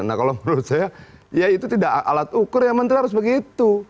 nah kalau menurut saya ya itu tidak alat ukur ya menteri harus begitu